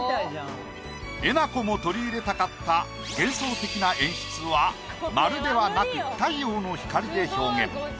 えなこも取り入れたかった幻想的な演出は丸ではなく太陽の光で表現。